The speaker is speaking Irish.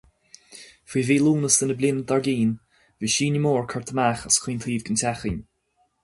Faoi mhí Lúnasa na bliana dár gcionn, bhí síneadh mór curtha amach as chaon taobh den teachín.